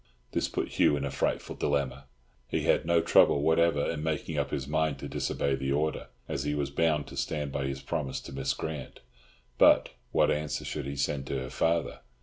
This put Hugh in a frightful dilemma. He had no trouble whatever in making up his mind to disobey the order, as he was bound to stand by his promise to Miss Grant. But what answer should he send to her father?